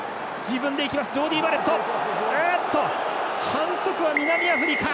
反則は南アフリカ。